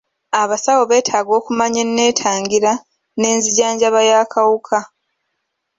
Abasawo beetaaga okumanya eneetangira n'enzijanjaba y'akawuka.